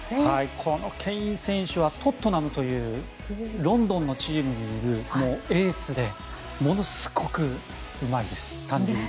このケイン選手はトットナムというロンドンのチームにいるエースでものすごくうまいです。